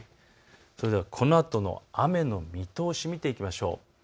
それではこのあとの雨の見通し、見ていきましょう。